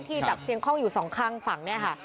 จับเสียงคล่องอยู่สองข้างฝั่งเนี่ยค่ะ